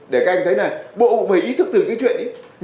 để các anh thấy này bộ cũng phải ý thức từ cái chuyện ấy